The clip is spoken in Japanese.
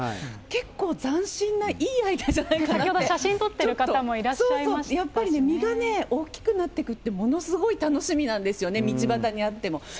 結構、斬新ないいアイデアじゃないかなって、写真撮ってる方もいらっしゃやっぱり実がね、大きくなっていくって、ものすごい楽しみなんですよね、道端にあっても。